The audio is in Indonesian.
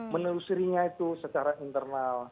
menelusurinya itu secara internal